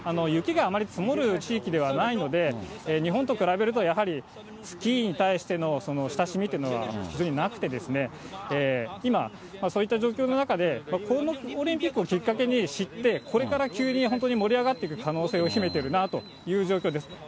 雪があまり積もる地域ではないので、日本と比べると、やはりスキーに対しての親しみっていうのは非常になくて、今、そういった状況の中で、このオリンピックをきっかけに知って、これから急に、本当に盛り上がっていく可能性を秘めているなという状況です。